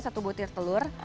satu butir telur